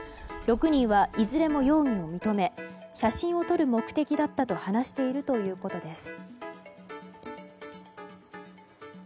６人はいずれも容疑を認め写真を撮る目的だったと話しているということです。